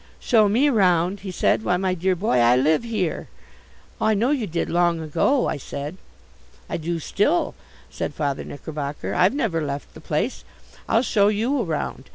"Show me round?" he said. "Why, my dear boy, I live here." "I know you did long ago," I said. "I do still," said Father Knickerbocker. "I've never left the place. I'll show you around.